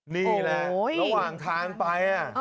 นี่แหละระหว่างทางไป